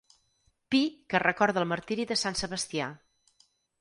Pi que recorda el martiri de Sant Sebastià.